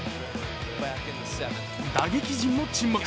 打撃陣も沈黙。